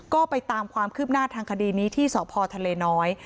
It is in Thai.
ก็ไปตามความคืบหน้าทางคดีนี้ที่สพทะเลน้อย